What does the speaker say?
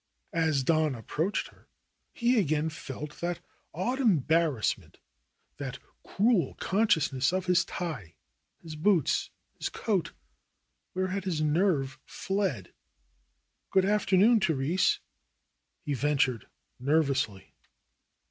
As Don approached her he again felt that odd embar rassment, that cruel consciousness of his tie, his boots, his coat. Where had his nerve fled ? ^'Good afternoon, Therese,'^ he ventured nervously.